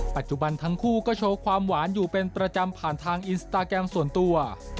ปัจจุบันทั้งคู่ก็โชว์ความหวานอยู่เป็นประจำผ่านทางอินสตาแกรมส่วนตัว